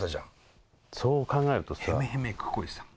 そう考えるとさ。へめへめくこいさん。